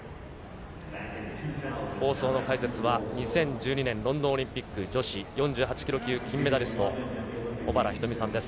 放送の解説は、２０１２年ロンドンオリンピック女子４８キロ級金メダリスト、小原日登美さんです。